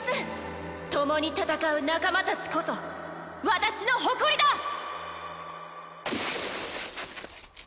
共に戦う仲間たちこそ私の誇りだ！